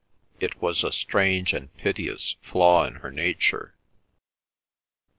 It was a strange and piteous flaw in her nature.